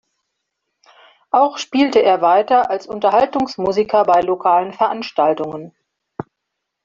Auch spielte er weiter als Unterhaltungsmusiker bei lokalen Veranstaltungen.